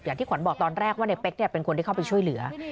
ที่ขวัญบอกตอนแรกว่าในเป๊กเป็นคนที่เข้าไปช่วยเหลือ